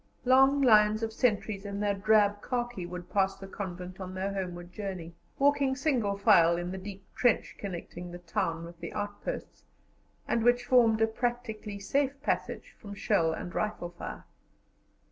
Long lines of sentries in their drab khaki would pass the convent on their homeward journey, walking single file in the deep trench connecting the town with the outposts, and which formed a practically safe passage from shell and rifle fire.